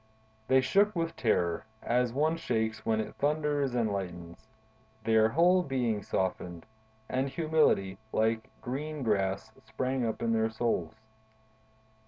They shook with terror, as one shakes when it thunders and lightens; their whole being softened, and humility, like green grass, sprang up in their souls.